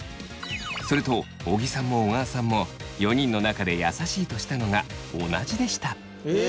すると尾木さんも小川さんも４人の中で優しいとしたのが同じでした。